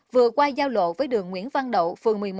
vừa qua giao lộ với đường nguyễn văn đậu phường một mươi một